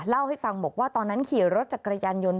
เล่าให้ฟังบอกว่าตอนนั้นขี่รถจักรยานยนต์